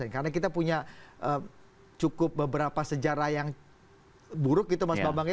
karena kita punya cukup beberapa sejarah yang buruk gitu mas bambang ya